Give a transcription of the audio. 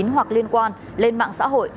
hoặc liên quan lên mạng xã hội